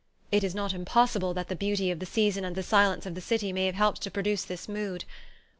It is not impossible that the beauty of the season and the silence of the city may have helped to produce this mood.